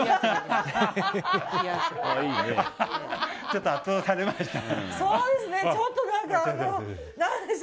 ちょっと圧倒されました。